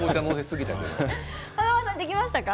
華丸さんはできましたか？